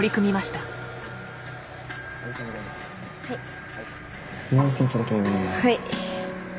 はい。